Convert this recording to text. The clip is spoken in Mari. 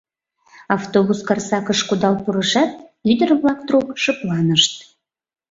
Автобус Карсакыш кудал пурышат, ӱдыр-влак трук шыпланышт.